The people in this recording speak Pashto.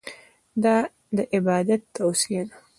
دا د عبادت توصیه ده.